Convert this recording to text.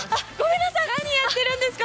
何やっているんですか。